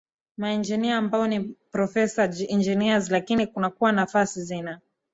maengineer ambao ni professional engineers lakini kunakuwa nafasi zina